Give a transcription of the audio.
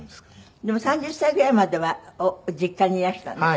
でも３０歳ぐらいまでは実家にいらしたんですって？